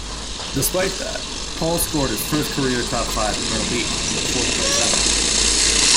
Despite that, Hall scored his first-career top-five at Myrtle Beach with a fourth-place effort.